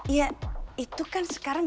ya itu kan sekarang